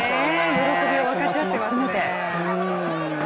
喜びを分かち合ってますね。